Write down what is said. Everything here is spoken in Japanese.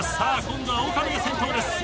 今度は岡部が先頭です。